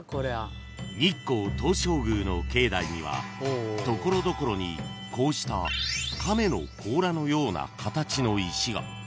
［日光東照宮の境内には所々にこうした亀の甲羅のような形の石が］